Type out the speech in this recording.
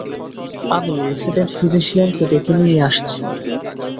আমি রেসিডেন্ট ফিজিশিয়ানকে ডেকে নিয়ে আসছি।